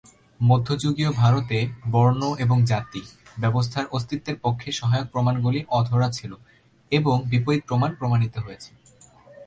মধ্যযুগীয় ভারতে "বর্ণ" এবং "জাতি" ব্যবস্থার অস্তিত্বের পক্ষে সহায়ক প্রমাণগুলি অধরা ছিল, এবং বিপরীত প্রমাণ প্রমাণিত হয়েছে।